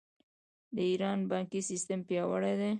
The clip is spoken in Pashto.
د ایران بانکي سیستم پیاوړی دی.